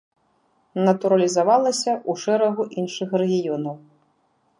Натуралізавалася ў шэрагу іншых рэгіёнаў.